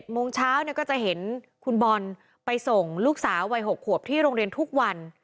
โมงเช้าก็จะเห็นคุณบอลไปส่งลูกสาววัย๖ขวบที่โรงเรียนทุกวัน